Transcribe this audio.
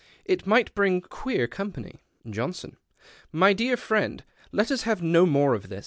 —" It might bring queer eompany.'' Johnson. —" My dear friend, let us have no more of this.